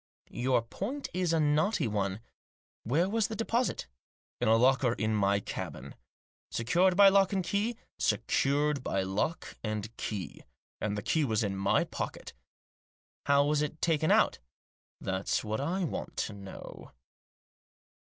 "Your point is a knotty one. Where was the deposit ?"" In a locker in my cabin." " Secured by lock and key ?"" Secured by lock and key. And the key was in my pocket" " How was it taken out ?"" That's what I want to know."